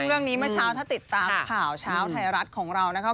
ซึ่งเรื่องนี้เมื่อเช้าถ้าติดตามข่าวชาวไทรรัชน์ของเรานะ